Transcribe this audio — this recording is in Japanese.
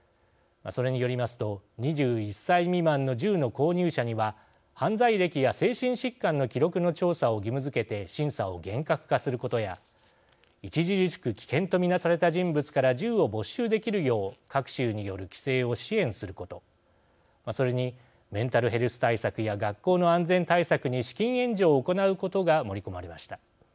それによりますと２１歳未満の銃の購入者には犯罪歴や精神疾患の記録の調査を義務づけて審査を厳格化することや著しく危険と見なされた人物から銃を没収できるよう各州による規制を支援することそれにメンタルヘルス対策や学校の安全対策に資金援助を行うことが盛り込まれました。